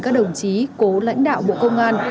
các đồng chí cố lãnh đạo bộ công an